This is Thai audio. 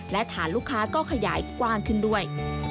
และฐานลูกค้าก็ขยายกว้างขึ้นด้วย